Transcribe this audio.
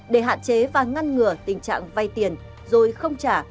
để hạn chế và ngăn ngừa tình trạng vay tiền rồi không trả